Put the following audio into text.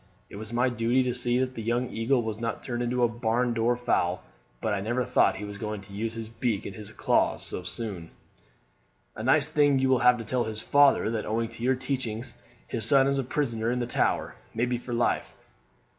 It was my duty to see that the young eagle was not turned into a barn door fowl; but I never thought he was going to use his beak and his claws so soon." "A nice thing you will have to tell his father, that owing to your teachings his son is a prisoner in the Tower, maybe for life.